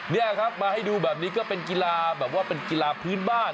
นี่ครับมาให้ดูแบบนี้ก็เป็นกีฬาแบบว่าเป็นกีฬาพื้นบ้าน